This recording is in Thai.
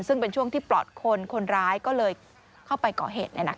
ซึ่งเป็นช่วงที่ปลอดคนคนร้ายก็เลยเข้าไปก่อเหตุ